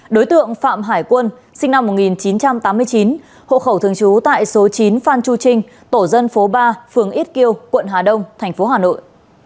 đối tượng phạm hải quân sinh năm một nghìn chín trăm tám mươi chín hộ khẩu thường trú tại số chín phan chu trinh tổ dân phố ba phường ít kiêu quận hà đông tp hà nội